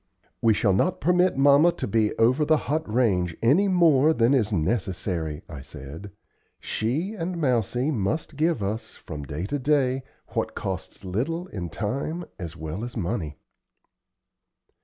"We shall not permit mamma to be over the hot range any more than is necessary," I said. "She and Mousie must give us, from day to day, what costs little in time as well as money."